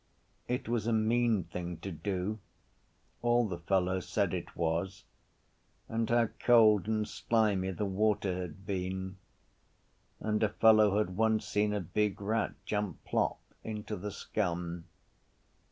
It was a mean thing to do; all the fellows said it was. And how cold and slimy the water had been! And a fellow had once seen a big rat jump plop into the scum.